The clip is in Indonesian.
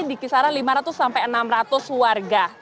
di kisaran lima ratus sampai enam ratus warga